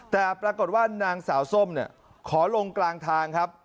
แต่ปรากฏว่านางสาวส้มเนี่ยขอลงกลางทางครับ